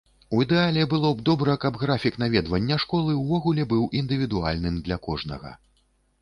У ідэале было б добра, каб графік наведвання школы ўвогуле быў індывідуальным для кожнага.